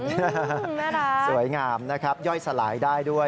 น่ารักสวยงามนะครับย่อยสลายได้ด้วย